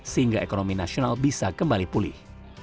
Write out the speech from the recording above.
sehingga ekonomi nasional bisa kembali pulih